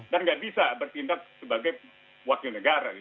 dan nggak bisa bertindak sebagai wakil negara